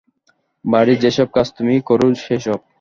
বাড়ির যেসব কাজ তুমি করো সেসব।